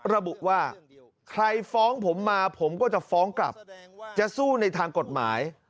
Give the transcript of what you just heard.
ระบุว่าใครฟ้องผมมาผมก็จะฟ้องกลับจะสู้ในทางกฎหมาย